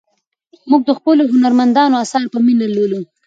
موږ د خپلو هنرمندانو اثار په مینه لولو.